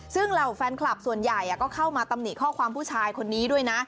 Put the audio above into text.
ซึ่งเหล่าแฟนคลับส่วนใหญ่ก็เข้ามาตำหนิข้อความผู้ชายคนนี้ด้วยนะ